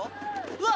うわっ